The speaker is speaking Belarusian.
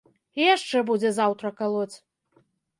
І яшчэ будзе заўтра калоць.